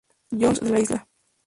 John's de la isla.